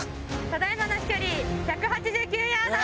ただ今の飛距離１８９ヤード。